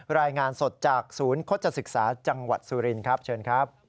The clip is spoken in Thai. รายงานสดจากศูนย์โฆษศึกษาจังหวัดสุรินครับเชิญครับ